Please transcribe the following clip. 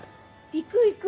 行く行く！